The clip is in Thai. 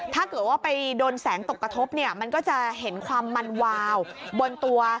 ถ้าเกิดว่าไปโดนแสงตกกระทบมันก็จะเห็นความมันวาว